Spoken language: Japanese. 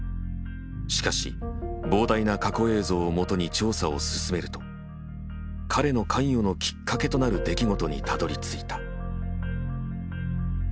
しかし膨大な過去映像をもとに調査を進めると彼の関与のきっかけとなる出来事にたどりついた。